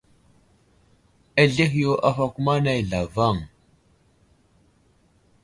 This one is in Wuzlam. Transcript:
Azlehi yo afakoma nay zlavaŋ.